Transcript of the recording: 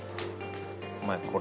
お前これ。